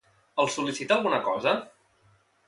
Els sol·licita alguna cosa?